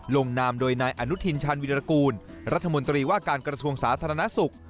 ลงนามโดยนายอนุทินชาญวิรากูลรัฐมนตรีว่าการกระทรวงสาธารณสุข